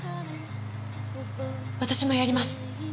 私もやります。